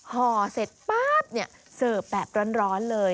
ห่อเสร็จป๊าบเสิร์ฟแบบร้อนเลย